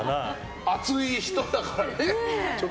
熱い人だからね。